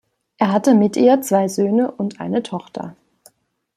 Er hatte mit ihr zwei Söhne und eine Tochter.